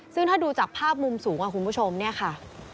ซึ่งถ้าดูจากภาพมุมสูงคุณผู้ชมเนี่ยค่ะ